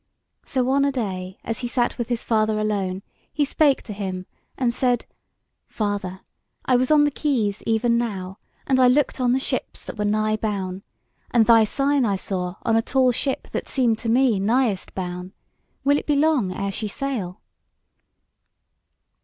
So on a day as he sat with his father alone, he spake to him and said: "Father, I was on the quays even now, and I looked on the ships that were nigh boun, and thy sign I saw on a tall ship that seemed to me nighest boun. Will it be long ere she sail?"